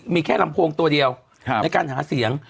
มีแค่ลำโพงตัวเดียวในการหาเสียง